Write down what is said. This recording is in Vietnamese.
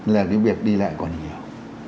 là cái việc đi lại còn nhiều